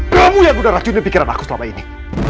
kamu yang guna racuni pikiran aku selama ini